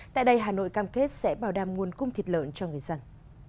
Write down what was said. tại đây hà nội cam kết sẽ bảo đảm nguồn cung thịt lợn cho người dân